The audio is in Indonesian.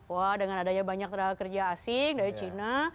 wah dengan adanya banyak tenaga kerja asing dari cina